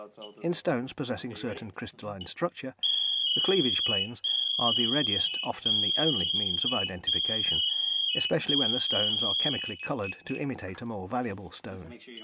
In stones possessing certain crystalline structure, the cleavage planes are the readiest, often the only, means of identification, especially when the stones are chemically coloured to imitate a more valuable stone.